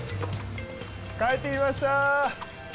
帰ってきました！